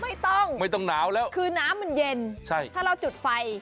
ไม่ต้องไม่ต้องหนาวแล้วคือน้ำมันเย็นใช่ถ้าเราจุดไฟ